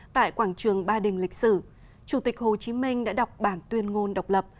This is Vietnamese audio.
tại quảng trường ba đình lịch sử chủ tịch hồ chí minh đã đọc bản tuyên ngôn độc lập